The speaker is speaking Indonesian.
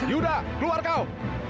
yuda keluar kau